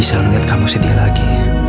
aku gak bisa ngeliat kamu sedih lagi